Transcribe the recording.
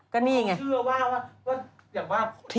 ก็นี่ไง